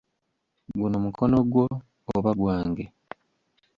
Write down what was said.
Guno mukono gwo oba gwange?